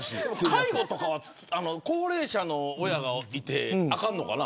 介護とかで高齢者の親がいる人はあかんのかな。